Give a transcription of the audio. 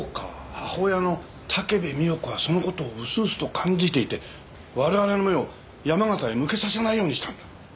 母親の武部美代子はその事を薄々と感付いていて我々の目を山形へ向けさせないようにしたんだ。